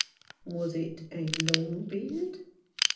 " Was it a long beard